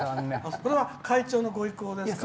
それは会長のご意向ですか？